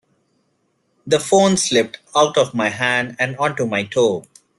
The phone slipped out of my hand and onto my toe.